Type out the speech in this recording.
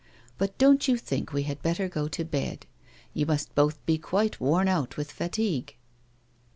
Bnt don't you think we had better go to bed ? You must both be quite worn out with fatigue."